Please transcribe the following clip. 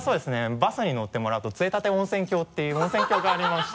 バスに乗ってもらうと杖立温泉郷ていう温泉郷がありまして。